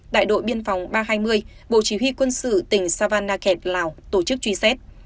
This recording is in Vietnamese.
đại đội biên phòng ba trăm hai mươi bộ chỉ huy quân sự tỉnh savannakhet lào tổ chức truy xét